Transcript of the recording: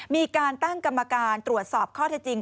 มีการตั้งกรรมการตรวจสอบข้อเท็จจริง